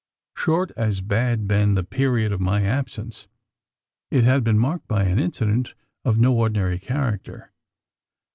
Short as bad been the period of my absence, it had been marked by an incident of no ordinary character.